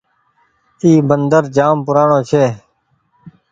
اي مندر جآم پورآڻي ڇي۔